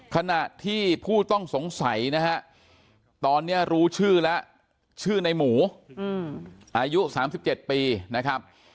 ขณะที่ผู้ต้องสงสัยนะฮะตอนนี้รู้ชื่อแล้วชื่อในหมูอายุ๓๗ปีนะครับ